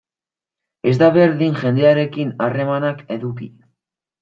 Ez da berdin jendearekin harremanak eduki.